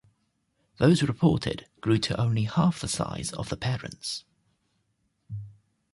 Those reported grew to only half the size of the parents.